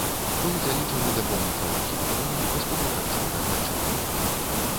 Быў залічаны да помнікаў архітэктуры рэспубліканскага значэння.